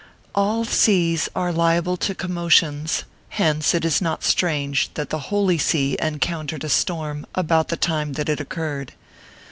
All seas are liable to commotions, hence it is not strange that the Holy See encountered a storm about the time that it occurred.